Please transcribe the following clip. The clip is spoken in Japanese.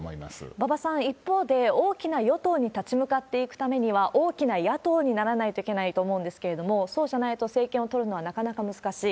馬場さん、一方で大きな与党に立ち向かっていくためには、大きな野党にならないといけないと思うんですけれども、そうじゃないと政権を取るのはなかなか難しい。